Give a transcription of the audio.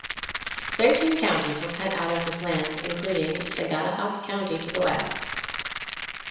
Thirteen counties were cut out of this land including Sagadahoc County to the west.